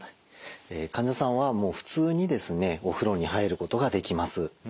患者さんはもう普通にですねお風呂に入ることができます。